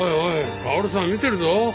薫さん見てるぞ。